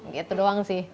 gitu doang sih